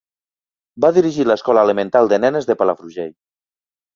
Va dirigir l'escola elemental de nenes de Palafrugell.